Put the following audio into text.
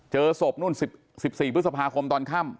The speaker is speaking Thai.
เจอศพนู่น๑๔พฤษภาคมตอนค่ำ